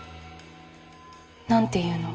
何ていうの？